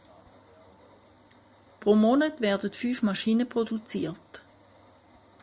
Pro Monat werden fünf Maschinen produziert.